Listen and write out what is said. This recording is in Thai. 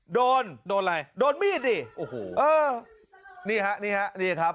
โดนโดนอะไรโดนมีดดิโอ้โหเออนี่ฮะนี่ฮะนี่ครับ